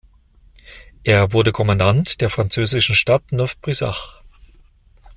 Er wurde Kommandant der französischen Stadt Neuf-Brisach.